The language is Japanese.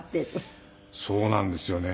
そうなんですよね。